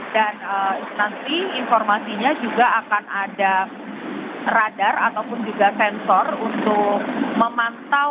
dan nanti informasinya juga akan ada radar ataupun juga sensor untuk memantau